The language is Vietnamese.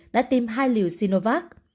đã tìm hai liều sinovac